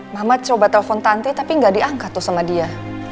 mama coba telepon tanti tapi gak diangkat tuh sama dia